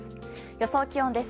予想気温です。